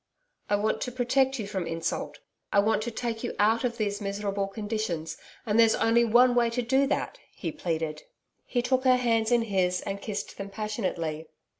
'I want to protect you from insult I want to take you out of these miserable conditions and there's only one way to do that,' he pleaded. He took her hands in his and kissed them passionately.